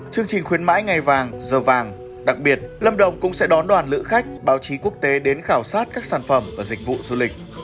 chương trình khuyến mãi ngày vàng giờ vàng đặc biệt lâm đồng cũng sẽ đón đoàn lữ khách báo chí quốc tế đến khảo sát các sản phẩm và dịch vụ du lịch